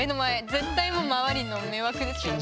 絶対もう周りの迷惑ですよね